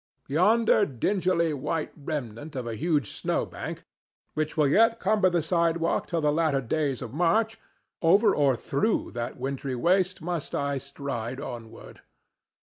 Yonder dingily white remnant of a huge snowbank, which will yet cumber the sidewalk till the latter days of March, over or through that wintry waste must I stride onward.